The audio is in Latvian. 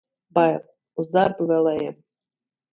Bail. Uz darbu vēl ejam.